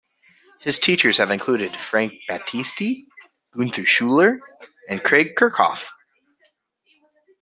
His teachers have included Frank Battisti, Gunther Schuller, and Craig Kirchhoff.